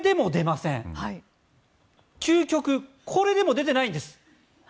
究極これでも出ていないんです。